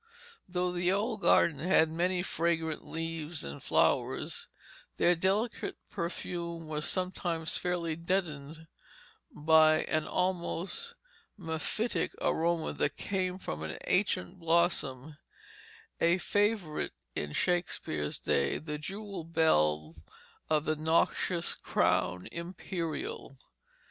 Though the old garden had many fragrant leaves and flowers, their delicate perfume was sometimes fairly deadened by an almost mephitic aroma that came from an ancient blossom, a favorite in Shakespeare's day the jewelled bell of the noxious crown imperial.